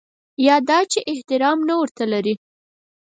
یا دا چې احترام نه ورته لري.